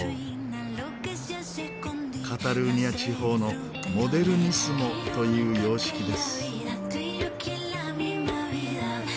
カタルーニャ地方の「モデルニスモ」という様式です。